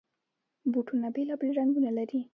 بوټونه بېلابېل رنګونه لري.